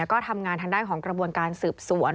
ก็ทำงานทางด้านของกระบวนการสืบสวน